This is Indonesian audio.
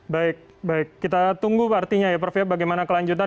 baik baik kita tunggu artinya ya prof ya bagaimana kelanjutan